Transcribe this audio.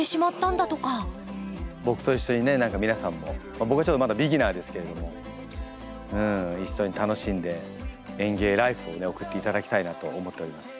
僕と一緒にね何か皆さんも僕はちょっとまだビギナーですけれども一緒に楽しんで園芸ライフをね送って頂きたいなと思っております。